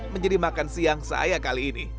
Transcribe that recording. menjadi makan siang saya kali ini